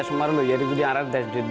saya mau hidup di rakhine